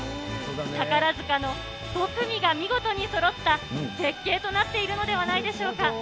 宝塚の５組が見事にそろった絶景となっているのではないでしょうか。